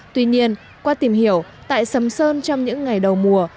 tuy nhiên qua tìm hiểu tại sầm sơn trong những ngày đầu mùa